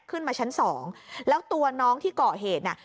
ขึ้นมาชั้นสองแล้วตัวน้องที่เกาะเหตุน่ะ